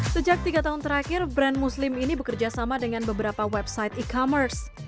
sejak tiga tahun terakhir brand muslim ini bekerja sama dengan beberapa website e commerce